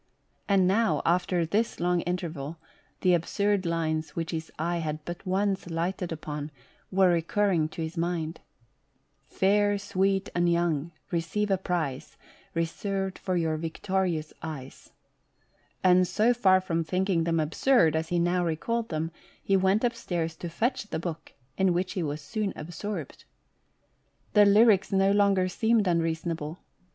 And now, after this long interval, the absurd lines which his eye had but once lighted upon, were recurring to his mind: " Fair, sweet, and young, receive a prize Eeserved for your victorious eyes" ; and so far from thinking them absurd, as he now recalled them, he went upstairs to fetch the book, in which he was soon absorbed. The lyrics no longer seemed unreasonable.